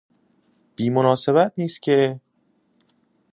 بی مناسبت نیست که